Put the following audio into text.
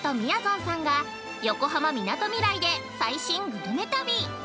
んさんが、横浜・みなとみらいで最新グルメ旅。